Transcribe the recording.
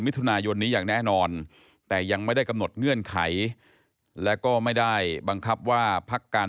มิถุนายนนี้อย่างแน่นอนแต่ยังไม่ได้กำหนดเงื่อนไขและก็ไม่ได้บังคับว่าพักการ